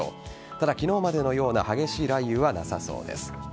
ただ、昨日までのような激しい雷雨はなさそうです。